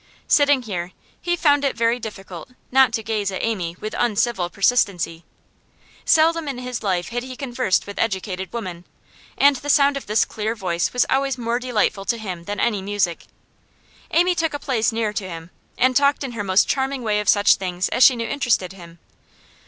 Sitting here, he found it very difficult not to gaze at Amy with uncivil persistency. Seldom in his life had he conversed with educated women, and the sound of this clear voice was always more delightful to him than any music. Amy took a place near to him, and talked in her most charming way of such things as she knew interested him.